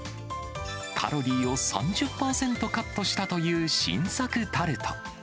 カロリーを３０％カットしたという新作タルト。